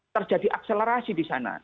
terjadi akselerasi di sana